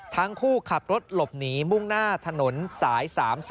ทั้งคู่ขับรถหลบหนีมุ่งหน้าถนนสาย๓๓